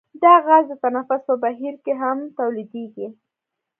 دا غاز د تنفس په بهیر کې هم تولیدیږي.